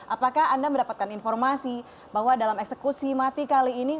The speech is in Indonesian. apakah anda mendapatkan informasi bahwa dalam eksekusi mati